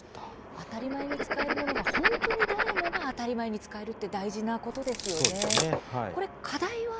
当たり前に使えるものが本当に誰もが当たり前に使えるというのは大事なことですよね。